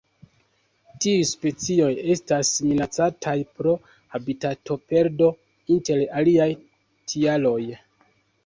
Tiuj specioj estas minacataj pro habitatoperdo, inter aliaj tialoj.